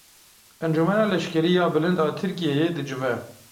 Encûmena Leşkerî ya Bilind a Tirkiyeyê dicive.